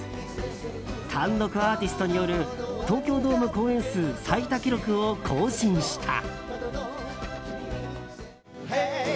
単独アーティストによる東京ドーム公演数最多記録を更新した。